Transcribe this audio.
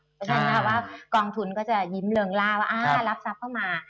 เพราะฉะนั้นนะคะว่ากองทุนก็จะยิ้มเริงล่าว่ารับทรัพย์เข้ามา